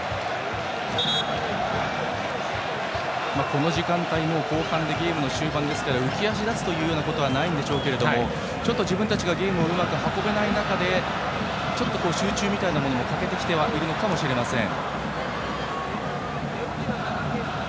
この時間帯、後半でゲームの終盤ですから浮き足立つというようなことはないんでしょうけどちょっと自分たちがゲームをうまく運べない中で集中みたいなものが欠けてきているのかもしれません。